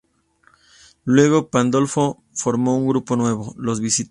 Luego Pandolfo formó un grupo nuevo, Los Visitantes.